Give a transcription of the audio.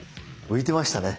浮いてましたね。